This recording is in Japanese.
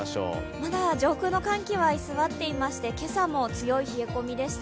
まだ上空の寒気は居座っていまして、今朝も強い冷え込みでした。